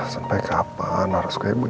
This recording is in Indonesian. sampai kapan harus kaya begini